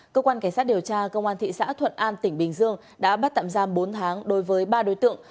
cơ quan cảnh sát điều tra công an thị xã thuận an tỉnh bình dương đã bắt tạm giam bốn tháng đối với ba đối tượng